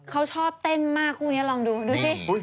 เขาชอบเต้นมากคู่นี้ลองดูดูสิ